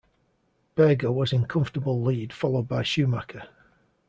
Berger was in comfortable lead followed by Schumacher.